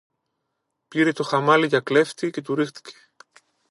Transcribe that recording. Πήρε το χαμάλη για κλέφτη και του ρίχτηκε